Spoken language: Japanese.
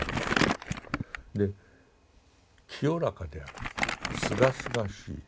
で清らかであるすがすがしい